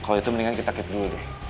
kalau itu mendingan kita keep dulu deh